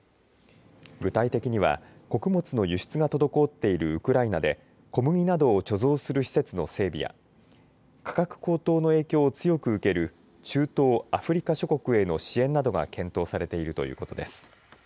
具体的には穀物の輸出が滞っているウクライナで小麦などを貯蔵する施設の整備や価格高騰の影響を強く受ける中東・アフリカ諸国への支援などが検討されているということです。